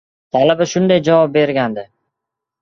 Talaba shunday javob bergandi.